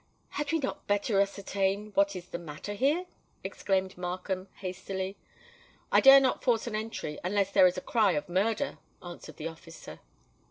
"Had we not bettor ascertain what is the matter here?" exclaimed Markham, hastily. "I dare not force an entry, unless there's a cry of 'Murder,'" answered the officer.